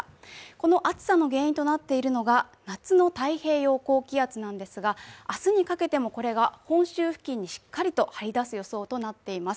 この暑さの原因となっているのが夏の太平洋高気圧なんですが明日にかけてもこれが本州付近にしっかりと張り出す予想となっています。